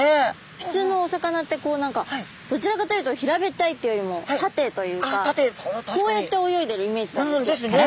普通のお魚って何かどちらかというと平べったいっていうよりも縦というかこうやって泳いでるイメージなんですよ。ですね。